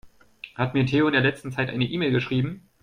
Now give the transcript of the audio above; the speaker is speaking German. Hat mir Theo in letzter Zeit eine E-Mail geschrieben?